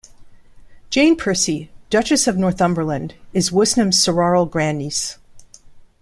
Jane Percy, Duchess of Northumberland, is Woosnam's sororal grandniece.